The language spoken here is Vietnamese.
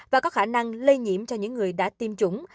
và có khả năng lây nhiễm cho những người đã tiêm chủng